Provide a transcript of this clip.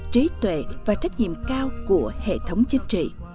trí tuệ và trách nhiệm cao của hệ thống chính trị